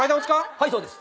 はいそうです。